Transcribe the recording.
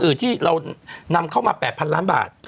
ที่เรานำเข้ามา๘๐๐ล้านบาท